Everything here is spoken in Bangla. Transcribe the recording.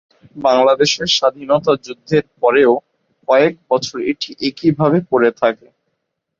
বাংলাদেশের স্বাধীনতা যুদ্ধের পরও কয়েক বছর এটি একইভাবে পড়ে থাকে।